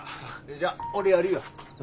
じゃあ俺やるよ。